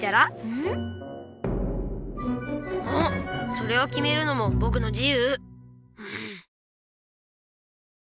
それをきめるのもぼくの自由！